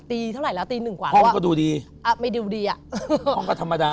เท่าไหร่แล้วตีหนึ่งกว่าห้องก็ดูดีอ่ะไม่ดูดีอ่ะห้องก็ธรรมดา